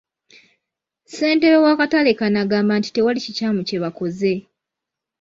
Ssentebe w’akatale kano agamba nti tewali kikyamu kye bakoze.